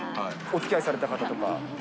おつきあいされてた方とか？